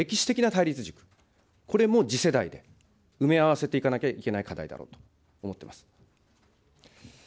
こういう歴史的な対立軸、これも次世代で埋め合わせていかなきゃいけない課題だろうと思っています。